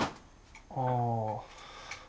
ああ。